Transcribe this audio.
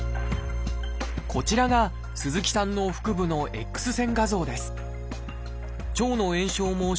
こちらが鈴木さんの腹部のＸ線画像です